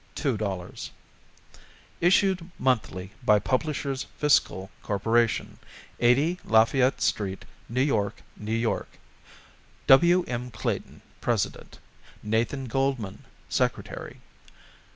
00 Issued monthly by Publishers' Fiscal Corporation, 80 Lafayette St., New York, N. Y. W. M. Clayton, President; Nathan Goldmann, Secretary.